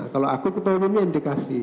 kalau aku ketua umumnya inti kasih